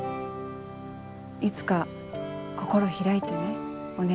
いつか心開いてねお姉。